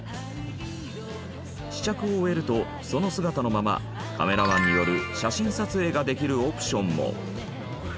試着を終えるとその姿のままカメラマンによる写真撮影ができるオプションも。